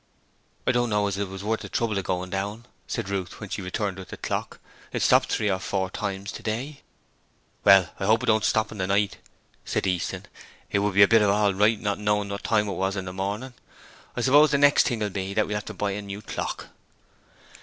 'I don't know as it was worth the trouble of going down,' said Ruth when she returned with the clock. 'It stopped three or four times today.' 'Well, I hope it don't stop in the night,' Easton said. 'It would be a bit of all right not knowing what time it was in the morning. I suppose the next thing will be that we'll have to buy a new clock.'